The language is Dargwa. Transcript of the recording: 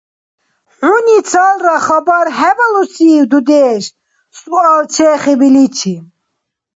– ХӀуни цалра хабар хӀебалусив, дудеш? – суал чехиб иличи.